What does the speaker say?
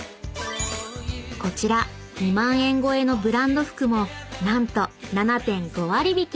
［こちら２万円越えのブランド服も何と７．５割引き］